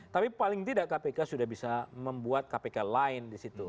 tapi paling tidak kpk sudah bisa membuat kpk lain di situ